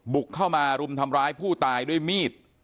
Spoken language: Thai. บุกเข้ามารุมทำร้ายผู้ตายด้วยมีด